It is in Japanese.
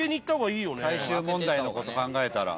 最終問題のこと考えたら。